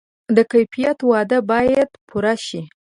د کیفیت وعده باید پوره شي.